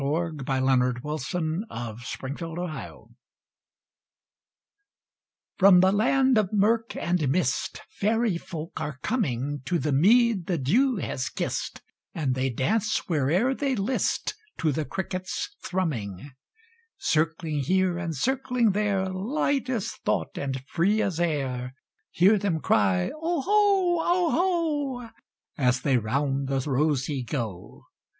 1861–1889 A Fairy Glee By Eugene Field (1850–1895) FROM the land of murk and mistFairy folk are comingTo the mead the dew has kissed, And they dance where'er they listTo the cricket's thrumming. Circling here and circling there, Light as thought and free as air, Hear them cry, "Oho, oho,"As they round the rosey go.